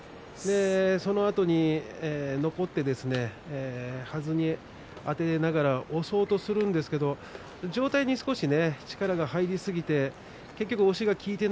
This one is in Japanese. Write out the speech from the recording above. そのあとに残ってはずにあてながら押そうとするんですが上体に少し力が入りすぎました。